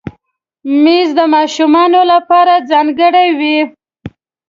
مېز د ماشومانو لپاره ځانګړی وي.